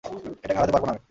এটাকে হারাতে পারবো না আমি।